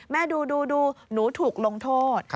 แม่ดูหนูถูกลงโทษ